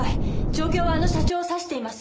状況はあの社長を指しています。